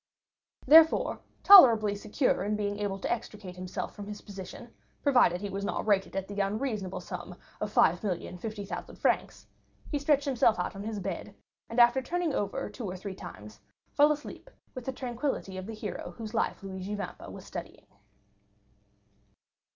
Therefore, tolerably secure in being able to extricate himself from his position, provided he were not rated at the unreasonable sum of 5,050,000 francs, he stretched himself on his bed, and after turning over two or three times, fell asleep with the tranquillity of the hero whose life Luigi Vampa was studying.